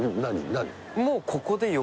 何？